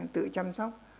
tự chăm sóc